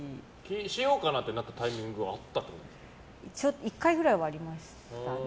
しようかなってなったタイミングは１回くらいはありましたね。